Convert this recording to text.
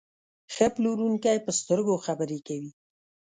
ښه پلورونکی په سترګو خبرې کوي.